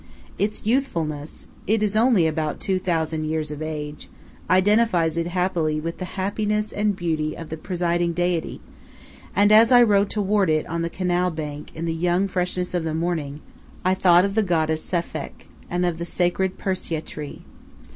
Its youthfulness it is only about two thousand years of age identifies it happily with the happiness and beauty of its presiding deity, and as I rode toward it on the canal bank in the young freshness of the morning, I thought of the goddess Safekh and of the sacred Persea tree.